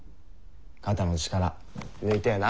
肩の力抜いてえな。